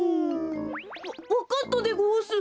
わかったでごわす。